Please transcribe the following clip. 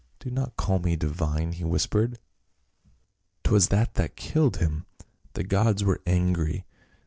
" Do not call me divine," he whispered, "' twas that that killed him ; the gods were angry.